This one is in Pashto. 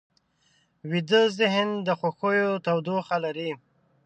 ویده ذهن د خوښیو تودوخه لري